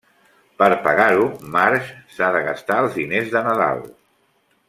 Per pagar-ho, Marge s'ha de gastar els diners de Nadal.